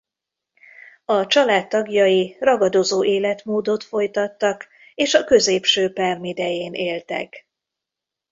A család tagjai ragadozó életmódot folytattak és a középső perm idején éltek.